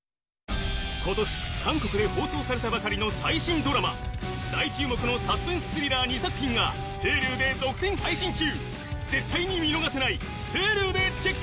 今年韓国で放送されたばかりの最新ドラマ大注目のサスペンススリラー２作品がＨｕｌｕで独占配信中